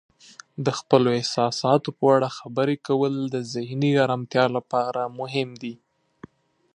د خپلو احساساتو په اړه خبرې کول د ذهني آرامتیا لپاره مهم دی.